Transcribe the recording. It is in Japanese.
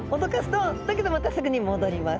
だけどまたすぐに戻ります。